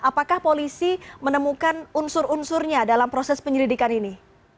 apakah polisi menemukan unsur unsurnya dalam proses penyelidikan ini